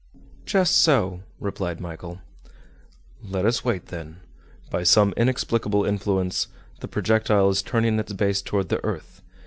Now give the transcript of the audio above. "Just so," replied Michel. "Let us wait, then. By some inexplicable influence, the projectile is turning its base toward the earth.